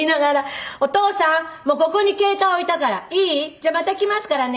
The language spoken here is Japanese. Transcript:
「じゃあまた来ますからね。